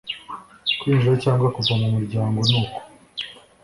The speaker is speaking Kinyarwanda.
kwinjira cyangwa kuva mu muryango ni ku